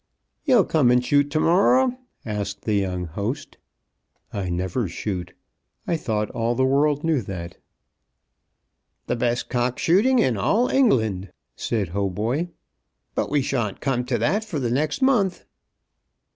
"You'll come and shoot to morrow?" asked the young host. "I never shoot. I thought all the world knew that." "The best cock shooting in all England," said Hautboy. "But we shan't come to that for the next month."